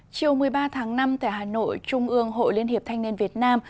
chiều một mươi ba tháng năm tại hà nội trung ương hội liên hiệp thanh niên việt nam